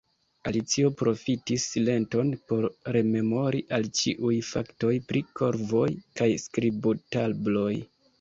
Alicio profitis silenton por rememori al ĉiuj faktoj pri korvoj kaj skribotabloj.